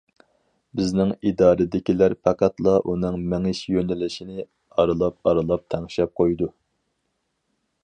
بىزنىڭ ئىدارىدىكىلەر پەقەتلا ئۇنىڭ مېڭىش يۆنىلىشىنى ئارىلاپ-ئارىلاپ تەڭشەپ قويىدۇ.